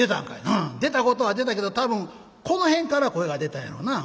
「ああ出たことは出たけど多分この辺から声が出たんやろな」。